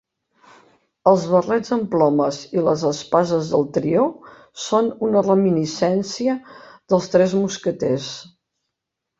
Els barrets amb plomes i les espases del trio són una reminiscència dels tres mosqueters.